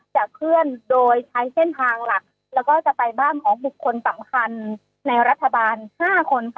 จะเคลื่อนโดยใช้เส้นทางหลักแล้วก็จะไปบ้านของบุคคลสำคัญในรัฐบาล๕คนค่ะ